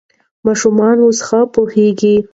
ماشومان اوس ښه پوهېږي.